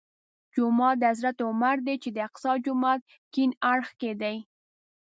جومات د حضرت عمر دی چې د اقصی جومات کیڼ اړخ کې دی.